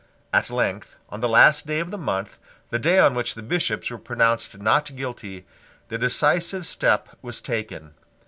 At length, on the last day of the month, the day on which the Bishops were pronounced not guilty, the decisive step was taken.